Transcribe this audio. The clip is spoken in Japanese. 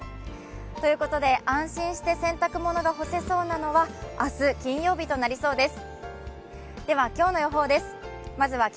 ということで安心して洗濯物が干せそうなのは明日、金曜日となりそうです。